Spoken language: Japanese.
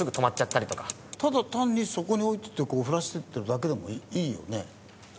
ただ単にそこに置いといて振らしといてるだけでもいいよね。